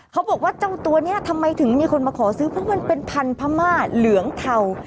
เขาบอกว่าเจ้าตัวนี้ทำไมถึงมีคนมาขอซื้อเพราะมันเป็นพันธุ์พม่าเหลืองเทา